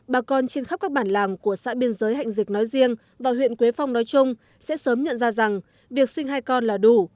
bà con trên khắp các bản làng của xã biên giới hạnh dịch nói riêng và huyện quế phong nói chung sẽ sớm nhận ra rằng việc sinh hai con là đủ